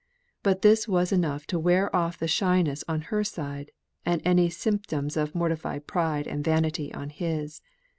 But this was enough to wear off the shyness on her side, and any symptoms of mortified pride and vanity on his.